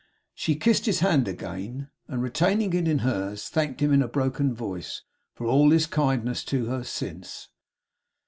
She kissed his hand again; and retaining it in hers, thanked him in a broken voice, for all his kindness to her since.